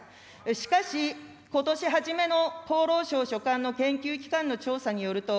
しかし、ことし初めの厚労省所管の研究機関の調査によると、